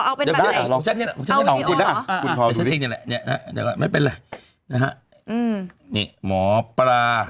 เอาเป็นอะไรเอาวิดีโอหรอไม่เป็นไรนะฮะอืมนี่หมอปลา